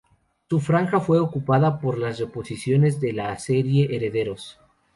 Su franja fue ocupada por las reposiciones de la serie "Herederos".